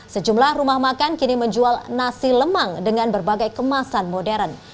sejumlah rumah makan kini menjual nasi lemang dengan berbagai kemasan modern